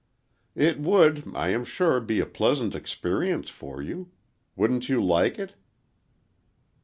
"It would, I am sure be a pleasant experience for you. Wouldn't you like it?"